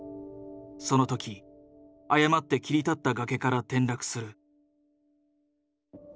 その時過って切り立った崖から転落する。